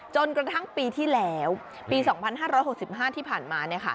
จนกระทั่งปีที่แล้วปี๒๕๖๕ที่ผ่านมา